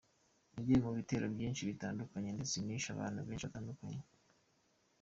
Nagiye mu bitero byinshi bitandukanye ndetse nishe abantu benshi batandukanye.